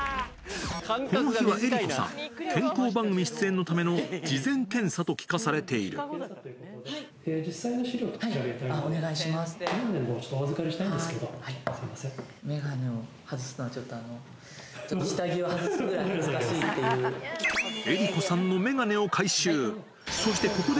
この日は江里子さん、健康番組出演のための事前検査と聞かされて実際の視力を調べたいので。